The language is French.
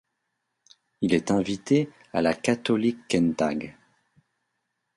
Il est invité à la Katholikentag.